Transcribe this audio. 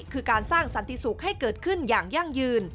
คือการสร้างสันติสุขให้เกิดขึ้นอย่างยั่งยืน